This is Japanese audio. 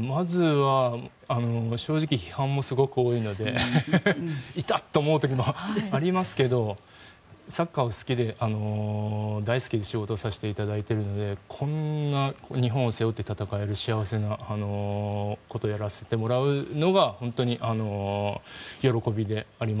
まずは正直、批判もすごく多いので痛っと思うこともありますがサッカーを好きで、大好きで仕事をさせていただいているのでこんな日本を背負って戦える幸せなことをやらせてもらうのは本当に喜びであります。